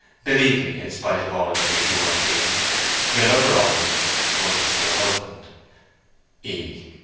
Believe me, in spite of all you may do or feel, Your lover always (once your husband), "E.